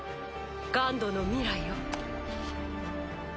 ＧＵＮＤの未来よ。